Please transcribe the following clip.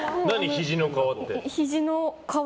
ひじの皮って。